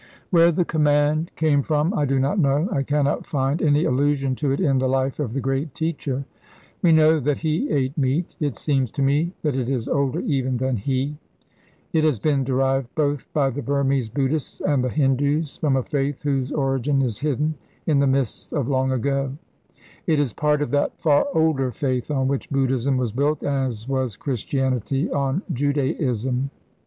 Where the command came from I do not know. I cannot find any allusion to it in the life of the great teacher. We know that he ate meat. It seems to me that it is older even than he. It has been derived both by the Burmese Buddhists and the Hindus from a faith whose origin is hidden in the mists of long ago. It is part of that far older faith on which Buddhism was built, as was Christianity on Judaism.